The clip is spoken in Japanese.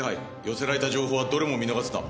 寄せられた情報はどれも見逃すな。